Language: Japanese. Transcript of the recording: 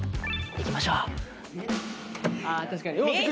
行きましょう。